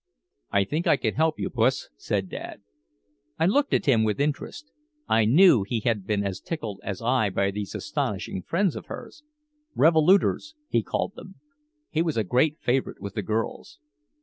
"I think I can help you, Puss," said Dad. I looked at him with interest. I knew he had been as tickled as I by these astonishing friends of hers. "Revolooters," he called them. He was a great favorite with the girls.